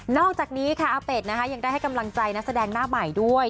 นอกจากนี้ค่ะอาเบชยังได้ให้กำลังใจแสดงหน้าหมายด้วย